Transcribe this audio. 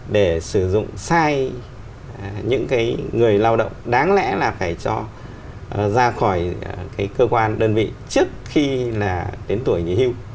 để sử dụng sai những cái người lao động đáng lẽ là phải cho ra khỏi cái cơ quan đơn vị trước khi là đến tuổi nghỉ hưu